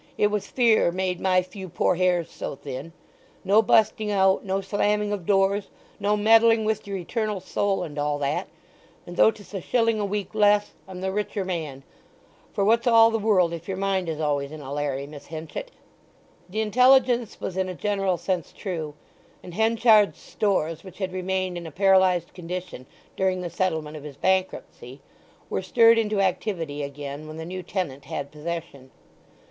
It was fear made my few poor hairs so thin! No busting out, no slamming of doors, no meddling with yer eternal soul and all that; and though 'tis a shilling a week less I'm the richer man; for what's all the world if yer mind is always in a larry, Miss Henchet?" The intelligence was in a general sense true; and Henchard's stores, which had remained in a paralyzed condition during the settlement of his bankruptcy, were stirred into activity again when the new tenant had possession.